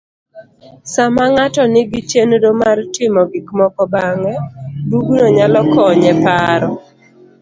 Sama ng'ato nigi chenro mar timo gikmoko bang`e,bugno nyalo konye paro.